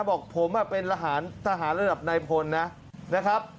บอกผมเป็นทหารระดับนายพลนะครับ